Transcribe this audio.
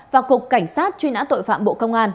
và cục cảnh sát truy nã tội phạm bộ công an